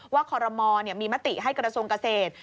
คอรมอลมีมติให้กระทรวงเกษตร